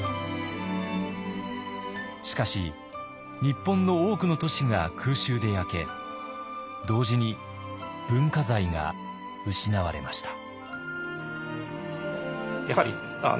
しかし日本の多くの都市が空襲で焼け同時に文化財が失われました。